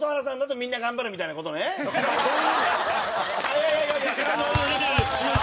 いやいやいやいや！